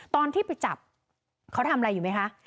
ตอนที่ไปจับเขาทำอะไรอยู่ไหมคะ